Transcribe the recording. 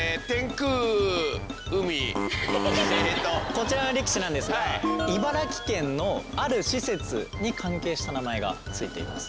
こちらの力士なんですが茨城県のある施設に関係した名前が付いています。